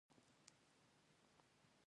د لانجمن قانون له امله تر دعوو لاندې وې.